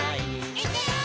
「いくよー！」